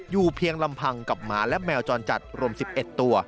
เพียงลำพังกับหมาและแมวจรจัดรวม๑๑ตัว